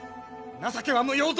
情けは無用ぞ！